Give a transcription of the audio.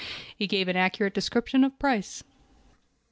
He gave an accurate description of Price.